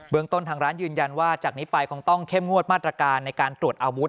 เมืองต้นทางร้านยืนยันว่าจากนี้ไปคงต้องเข้มงวดมาตรการในการตรวจอาวุธ